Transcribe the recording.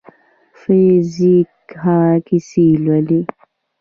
فزیک هغه کیسې لولي.